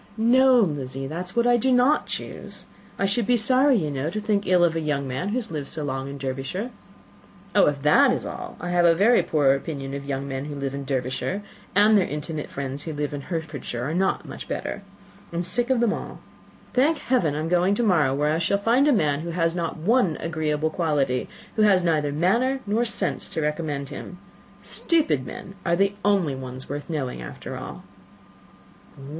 "No, Lizzy, that is what I do not choose. I should be sorry, you know, to think ill of a young man who has lived so long in Derbyshire." "Oh, if that is all, I have a very poor opinion of young men who live in Derbyshire; and their intimate friends who live in Hertfordshire are not much better. I am sick of them all. Thank heaven! I am going to morrow where I shall find a man who has not one agreeable quality, who has neither manners nor sense to recommend him. Stupid men are the only ones worth knowing, after all."